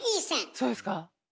そうですか。